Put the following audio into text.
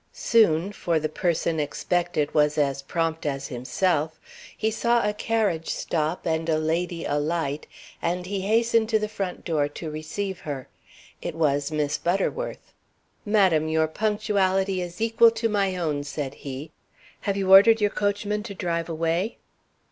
Soon, for the person expected was as prompt as himself, he saw a carriage stop and a lady alight, and he hastened to the front door to receive her. It was Miss Butterworth. "Madam, your punctuality is equal to my own," said he. "Have you ordered your coachman to drive away?"